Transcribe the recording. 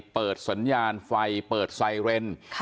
เปิดสัญญาณไฟเปิดไซเรน